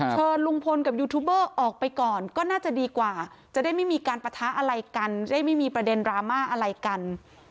เชิญลุงพลกับยูทูบเบอร์ออกไปก่อนก็น่าจะดีกว่าจะได้ไม่มีการปะทะอะไรกันได้ไม่มีประเด็นดราม่าอะไรกัน